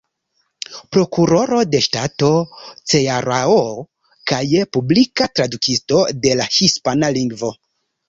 Prokuroro de Ŝtato Cearao kaj publika tradukisto de la hispana lingvo.